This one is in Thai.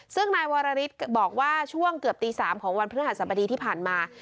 ซึ่งนายวรริสบอกว่าช่วงเกือบตี๓ของวันพฤหัสบดีที่ผ่านมา